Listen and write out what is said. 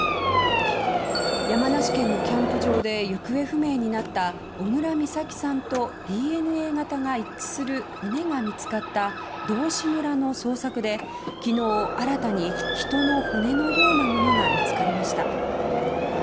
山梨県のキャンプ場で行方不明になった小倉美咲さんとＤＮＡ型が一致する骨が見つかった道志村の捜索で昨日新たに人の骨のようなものが見つかりました。